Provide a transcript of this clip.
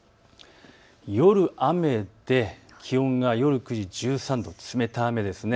夜雨で気温が夜９時１３度、冷たい雨です。